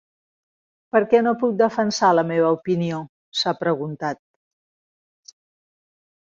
Per què no puc defensar la meva opinió?, s’ha preguntat.